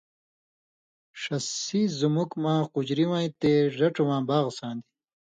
ݜسی (زُمُک) مہ قجُریۡواں یی تے ڙڇھہۡ واں باغہ سان٘د؛